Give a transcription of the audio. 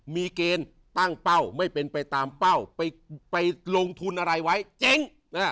มีเกณฑ์ตั้งเป้าไม่เป็นไปตามเป้าไปลงทุนอะไรไว้เจ๊ง